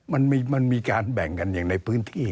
มันมีการแบ่งกันอย่างในพื้นที่